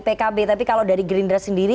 pkb tapi kalau dari gerindra sendiri